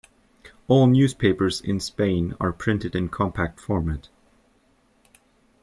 All newspapers in Spain are printed in compact format.